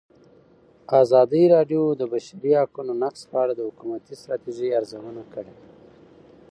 ازادي راډیو د د بشري حقونو نقض په اړه د حکومتي ستراتیژۍ ارزونه کړې.